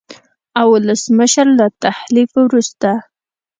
او ولسمشر له تحلیف وروسته